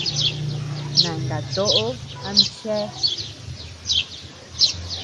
Nangatoʼo am chéa.